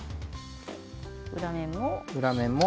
裏面も。